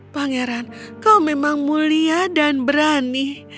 pangeran kau memang mulia dan berani